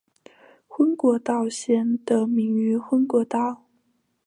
昏果岛县得名于昏果岛。